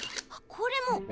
これも！